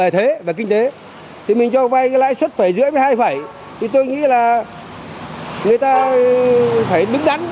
thì tôi nghĩ là người ta phải đứng đắn